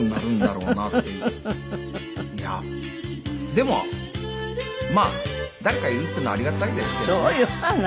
でもまあ誰かいるっていうのはありがたいですけどね。